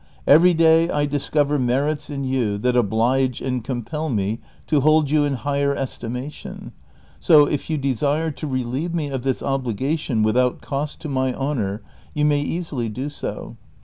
" Every day I discover merits in you that oblige and compel me to hold you in higher estimation; so if you desire to relieve me of this obliga tion without cost to my honor, you may easily do so.